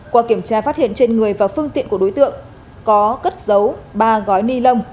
qua kiểm tra phát hiện trên người và phương tiện của đối tượng có cất dấu ba gói ni lông